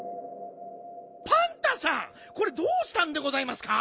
パンタさんこれどうしたんでございますか？